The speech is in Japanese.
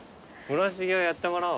村重はやってもらおう。